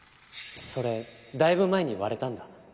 それだいぶ前に割れたんだ。